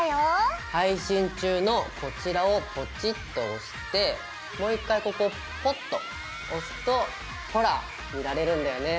配信中のこちらをポチッと押してもう１回ここポッと押すとほら見られるんだよね。